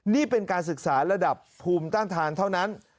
นี่เป็นการศึกษาระดับภูมิต้านทานเท่านั้น